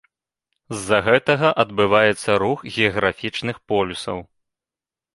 З-за гэтага адбываецца рух геаграфічных полюсаў.